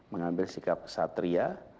mengambil sikap satria